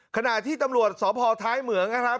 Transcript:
ขณะที่ตำรวจสอบภอร์ท้ายเหมืองครับ